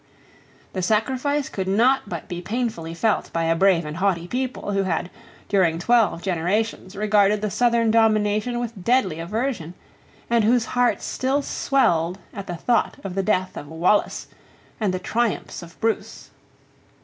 The sacrifice could not but be painfully felt by a brave and haughty people, who had, during twelve generations, regarded the southern domination with deadly aversion, and whose hearts still swelled at the thought of the death of Wallace and of the triumphs of Bruce.